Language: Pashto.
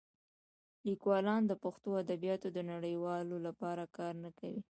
لیکوالان د پښتو ادبیاتو د نړیوالولو لپاره کار نه کوي.